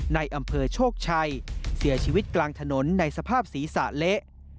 ในอำเภอโชคชัยเสียชีวิตกลางถนนในสภาพศีรษะเละ